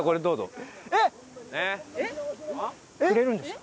くれるんですか？